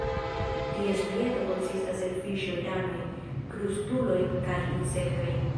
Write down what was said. Ties dieto konsistas el fiŝoj, ranoj, krustulojn kaj insektojn.